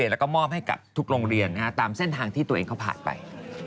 แล้วก็มอบให้กับทุกโรงเรียนตามเส้นทางที่ตัวเองเขาผ่านไป